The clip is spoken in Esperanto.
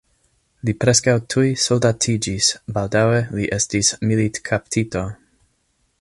Li preskaŭ tuj soldatiĝis, baldaŭe li estis militkaptito.